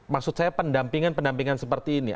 maksud saya pendampingan pendampingan seperti ini